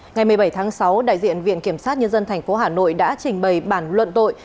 ngày một mươi bảy tháng sáu đại diện viện kiểm sát nhân dân tp hà nội đã trình bày bản luận tội